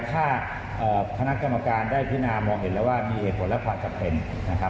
ถ้าคณะกรรมการได้พินามองเห็นแล้วว่ามีเหตุผลและความจำเป็นนะครับ